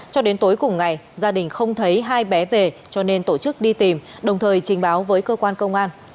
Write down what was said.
cho đến tối cùng ngày gia đình không thấy hai bé về cho nên tổ chức đi tìm đồng thời trình báo với cơ quan công an